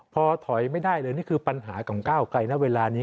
พอถอยไม่ได้เลยนี่คือปัญหาของก้าวไกลนะเวลานี้